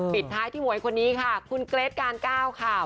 ปิดท้ายที่หมวยคนนี้ค่ะคุณเกรทการ๙ค่ะ